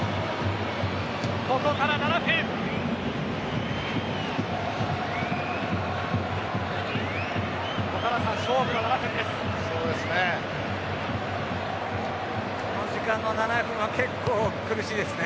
ここから７分そうですね。